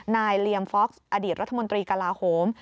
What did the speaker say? นายลียมฟอคซ์อดีตรัฐมนตรีกาลาโฮม